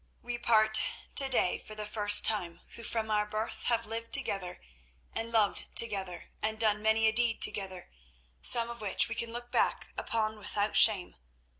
We part to day for the first time, who from our birth have lived together and loved together and done many a deed together, some of which we can look back upon without shame.